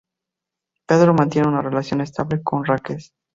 Pedro mantiene una relación estable con Raquel.